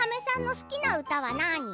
好きな歌は何？